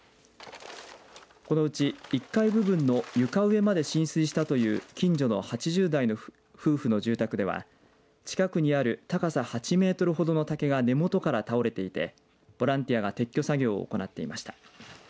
このうち１階部分の床上まで浸水したという近所の８０代の夫婦の住宅では近くにある高さ８メートルほどの竹が根元から倒れていてボランティアが撤去作業を行っていました。